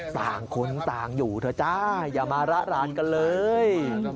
ต่างคนต่างอยู่เถอะจ้าอย่ามาระรานกันเลย